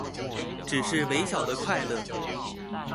只是微小的快樂